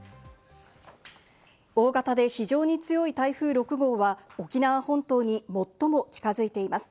大型で非常に強い台風６号は沖縄本島に最も近づいています。